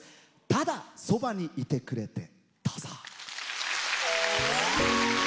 「ただそばにいてくれて」。